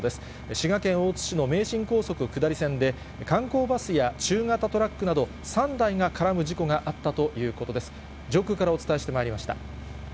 滋賀県大津市の名神高速下り線で、観光バスや中型トラックなど、３台が絡む事故があったということです。